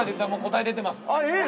◆えっ！？